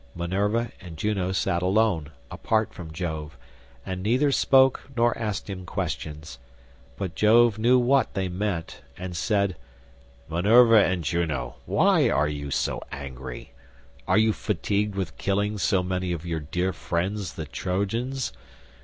Minerva and Juno sat alone, apart from Jove, and neither spoke nor asked him questions, but Jove knew what they meant, and said, "Minerva and Juno, why are you so angry? Are you fatigued with killing so many of your dear friends the Trojans?